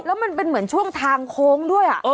แล้วมันเป็นเหมือนช่วงทางโค้งด้วย